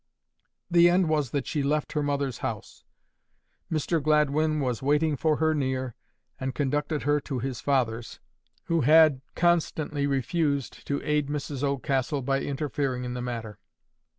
The end was that she left her mother's house. Mr Gladwyn was waiting for her near, and conducted her to his father's, who had constantly refused to aid Mrs Oldcastle by interfering in the matter.